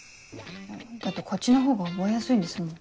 だってこっちのほうが覚えやすいんですもん。